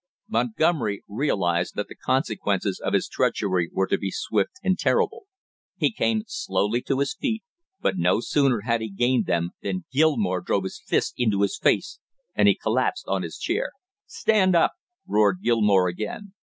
Montgomery realized that the consequences of his treachery were to be swift and terrible. He came slowly to his feet, but no sooner had he gained them than Gilmore drove his fist into his face, and he collapsed on his chair. "Stand up!" roared Gilmore again.